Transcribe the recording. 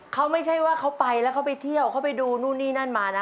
เขาไม่ใช่ว่าเขาไปแล้วเขาไปเที่ยวเขาไปดูนู่นนี่นั่นมานะ